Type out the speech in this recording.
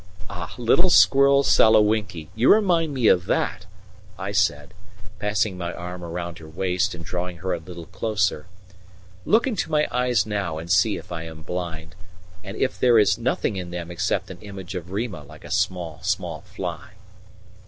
"Ah, little squirrel Sakawinki, you remind me of that!" I said, passing my arm round her waist and drawing her a little closer. "Look into my eyes now and see if I am blind, and if there is nothing in them except an image of Rima like a small, small fly."